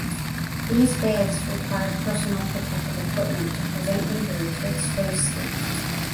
These baths require personal protective equipment to prevent injury to exposed skin.